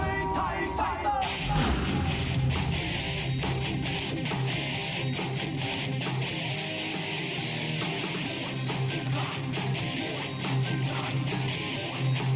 ทางด้านหนักชกในมุมน้ำเงินครับลูกกลมหลวงศรีรักษ์มวยไทยครับ